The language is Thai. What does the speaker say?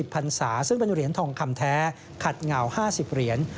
พันศาซึ่งเป็นเหรียญทองคำแท้ขัดเหงา๕๐เหรียญ